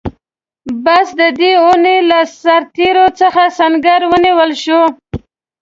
بس د دې اوونۍ له سرتېرو څخه سنګر ونیول شو.